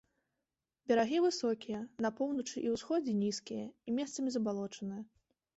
Берагі высокія, на поўначы і ўсходзе нізкія і месцамі забалочаныя.